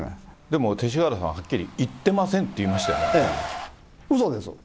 でも勅使河原さんははっきり、言ってませんって言いましたよねええ、うそです。